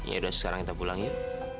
yaudah sekarang kita pulang ya